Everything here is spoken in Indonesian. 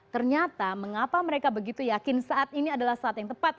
ternyata mengapa mereka begitu yakin saat ini adalah saat yang tepat